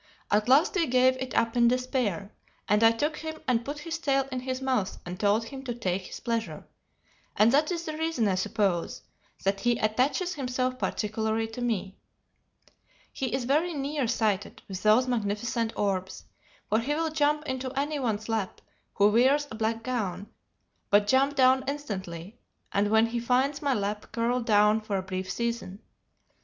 At last we gave it up in despair, and I took him and put his tail in his mouth and told him to take his pleasure, and that is the reason, I suppose, that he attaches himself particularly to me. He is very near sighted with those magnificent orbs, for he will jump into any one's lap, who wears a black gown, but jump down instantly, and when he finds my lap curl down for a brief season.